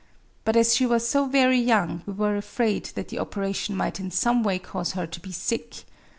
But as she was so very young we were afraid that the operation might in some way cause her to be sick.